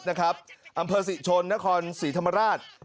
อำเภอศรีชนนครศรีธรรมราช